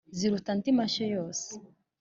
ziruta andi mashyo yose.